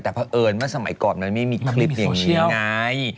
แต่เพราะเอิญว่าสมัยก่อนมันไม่มีคลิปอย่างนี้ไงมันไม่มีโซเชียล